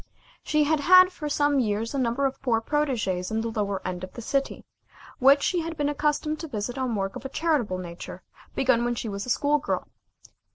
She had had for some years a number of poor protégées in the lower end of the city, which she had been accustomed to visit on work of a charitable nature begun when she was a school girl.